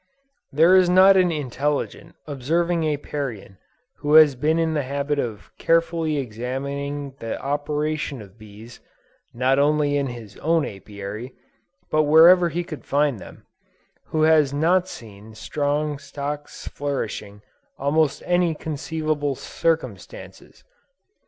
There is not an intelligent, observing Apiarian who has been in the habit of carefully examining the operations of bees, not only in his own Apiary, but wherever he could find them, who has not seen strong stocks flourishing under almost any conceivable circumstances.